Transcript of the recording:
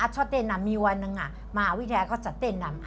ชอดเต้นลำมีวันนึงอ่ะมาอาวิทยาก็จะเต้นลำ